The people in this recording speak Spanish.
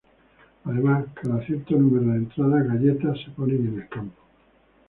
Además, cada cierto número de entradas, "galletas" se ponen en el campo.